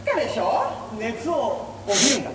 熱を帯びるんだったね。